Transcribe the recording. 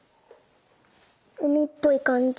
うみっぽいかんじ。